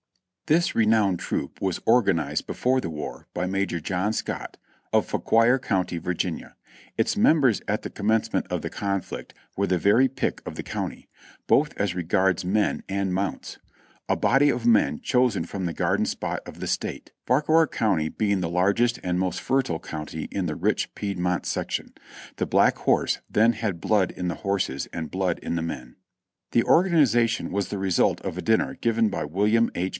This renowned troop was organized before the war by Major John Scott, of Fauquier County, Virginia. Its members at the commencement of the conflict were the very pick of the county, both as regards men and mounts — a body of men chosen from the garden spot of the State, Fauquier being the largest and most fertile county in the rich Piedmont section. The Black Horse then had blood in the horses and blood in the men. The organization was the result of a dinner given by William H.